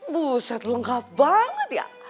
buset lengkap banget ya